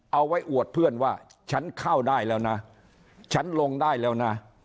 เอาไว้อวดเพื่อนว่าฉันเข้าได้แล้วนะฉันลงได้แล้วนะ